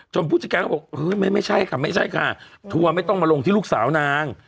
ผู้จัดการก็บอกเฮ้ยไม่ใช่ค่ะไม่ใช่ค่ะทัวร์ไม่ต้องมาลงที่ลูกสาวนาง